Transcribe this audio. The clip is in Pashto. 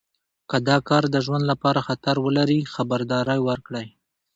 که دا کار د ژوند لپاره خطر ولري خبرداری ورکړئ.